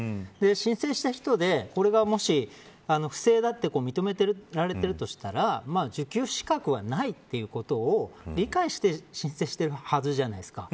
申請した人で、これがもし不正だと認められているとしたら受給資格がないということを理解して申請しているはずじゃないですか。